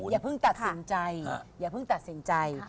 อย่าเพิ่งตัดสินใจ